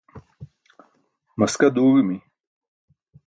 maska duuẏimi